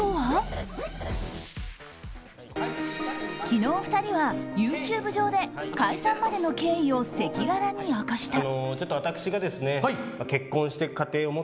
昨日２人はＹｏｕＴｕｂｅ上で解散までの経緯を赤裸々に明かした。